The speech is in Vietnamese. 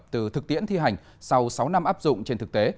từ thực tiễn thi hành sau sáu năm áp dụng trên thực tế